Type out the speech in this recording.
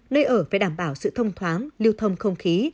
nơi ở phải đảm bảo sự thông thoáng lưu thông không khí